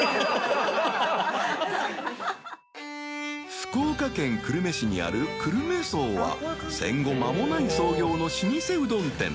福岡県久留米市にある久留米荘は鏝紊泙發覆ち篭箸老舗うどん店